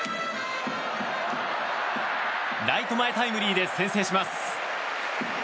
ライト前タイムリーで先制します。